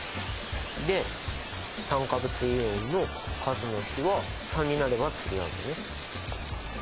で酸化物イオンの数の比は３になれば釣り合うよね。